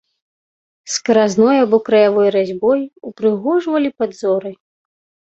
Скразной або краявой разьбой упрыгожвалі падзоры.